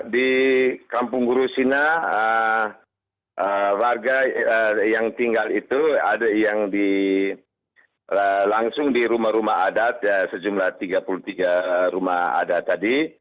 di kampung gurusina warga yang tinggal itu ada yang langsung di rumah rumah adat sejumlah tiga puluh tiga rumah adat tadi